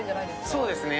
そうですね。